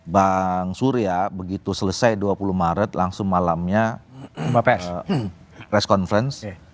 bang surya begitu selesai dua puluh maret langsung malamnya press conference